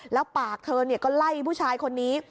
แล้วปากเธอก็ไล่ผู้ชายคนนี้